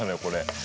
これ。